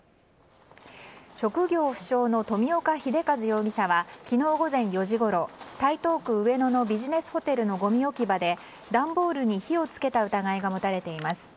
職業不詳の富岡秀和容疑者は昨日午前４時ごろ台東区上野のビジネスホテルのごみ置き場で段ボールに火を付けた疑いが持たれています。